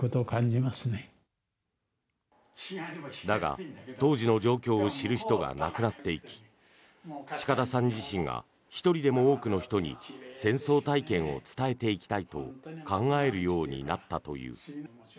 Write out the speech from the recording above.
だが、当時の状況を知る人が亡くなっていき近田さん自身が１人でも多くの人に戦争体験を伝えていきたいと考えるようになったという。